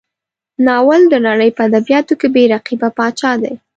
ناول د نړۍ په ادبیاتو کې بې رقیبه پاچا دی.